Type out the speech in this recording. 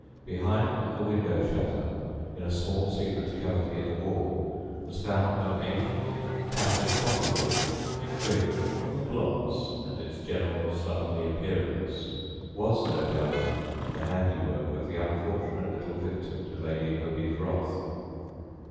Behind a window shutter in a small secret cavity in the wall was found an ancient, tattered copy book, which, from the blots and its general slovenly appearance, was no doubt the handiwork of the unfortunate little victim to Lady Hoby's wrath.